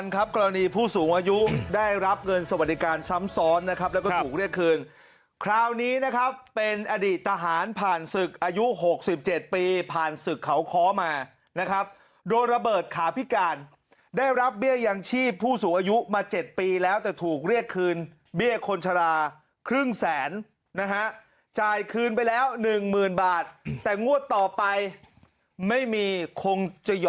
ครับกรณีผู้สูงอายุได้รับเงินสวัสดิการซ้ำซ้อนนะครับแล้วก็ถูกเรียกคืนคราวนี้นะครับเป็นอดีตทหารผ่านศึกอายุ๖๗ปีผ่านศึกเขาค้อมานะครับโดนระเบิดขาพิการได้รับเบี้ยยังชีพผู้สูงอายุมา๗ปีแล้วแต่ถูกเรียกคืนเบี้ยคนชราครึ่งแสนนะฮะจ่ายคืนไปแล้วหนึ่งหมื่นบาทแต่งวดต่อไปไม่มีคงจะย